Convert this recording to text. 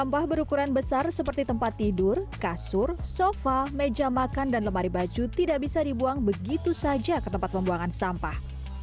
sampah berukuran besar seperti tempat tidur kasur sofa meja makan dan lemari baju tidak bisa dibuang begitu saja ke tempat pembuangan sampah